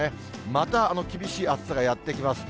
また厳しい暑さがやって来ます。